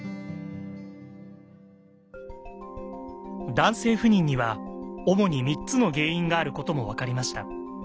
男性不妊には主に３つの原因があることも分かりました。